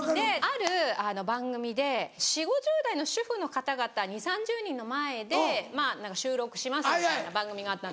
ある番組で４０５０代の主婦の方々２０３０人の前で収録しますみたいな番組があったんです。